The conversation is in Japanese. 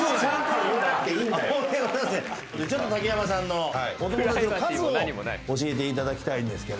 ちょっと竹山さんのお友だちの数を教えていただきたいんですけれども。